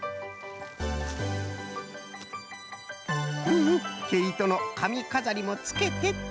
うんうんけいとのかみかざりもつけてと。